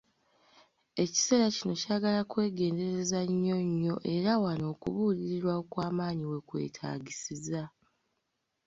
Ekiseera kino kyagala kwegendereza nnyo, nnyo, era wano okubuulirirwa okw'amaanyi wekwetaagisiza.